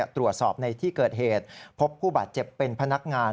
ตรวจสอบในที่เกิดเหตุพบผู้บาดเจ็บเป็นพนักงาน